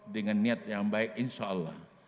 dengan niat yang baik insyaallah